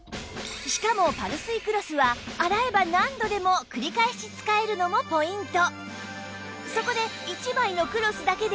しかもパルスイクロスは洗えば何度でも繰り返し使えるのもポイント